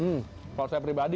hmm kalau saya pribadi